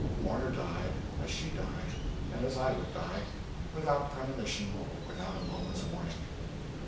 Warner died, as she died, and as I would die without premonition, without a moment's warning.